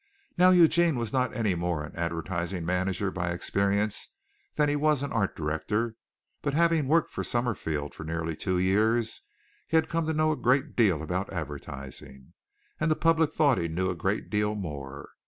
Now Eugene was not any more an advertising manager by experience than he was an art director, but having worked for Summerfield for nearly two years he had come to know a great deal about advertising, and the public thought he knew a great deal more.